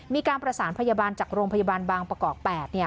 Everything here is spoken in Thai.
มีการประสานพยาบาลจากโรงพยาบาลบางประกอบ๘เนี่ย